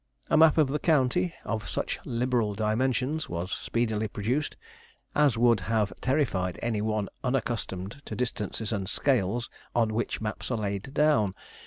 A map of the county, of such liberal dimensions, was speedily produced, as would have terrified any one unaccustomed to distances and scales on which maps are laid down.